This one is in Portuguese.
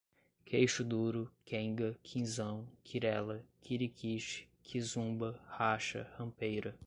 queixo duro, quenga, quinzão, quirela, quiriquixi, quizumba, racha, rampeira